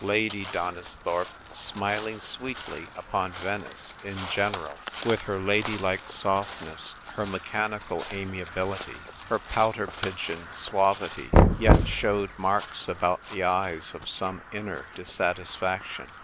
Lady Donisthorpe, smiling sweetly upon Venice in general, with her ladylike softness, her mechanical amiability, her pouter pigeon suavity, yet showed marks about the eyes of some inner dissatisfaction.